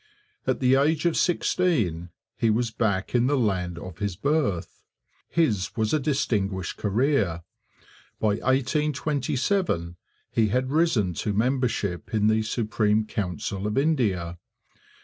At the age of sixteen he was back in the land of his birth. His was a distinguished career. By 1827 he had risen to membership in the Supreme Council of India.